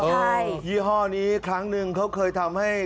ใช่ยี่ห้อนี้ครั้งหนึ่งเขาเคยทำให้